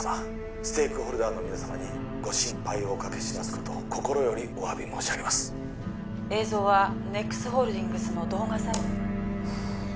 ステークホルダーの皆様にご心配をおかけしますことを心よりおわび申し上げます映像はＮＥＸホールディングスの動画サイト警察の広報発表の前に先手を打ってきましたね